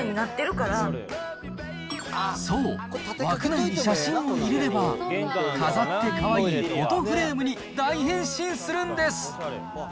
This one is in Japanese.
そう、枠内に写真を入れれば、飾ってかわいい、フォトフレームに大変身するんです。